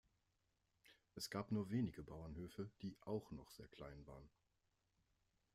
Es gab nur wenige Bauernhöfe, die auch noch sehr klein waren.